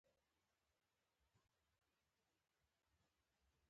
د مڼې خوراک د کولمو فعالیت ښه کوي.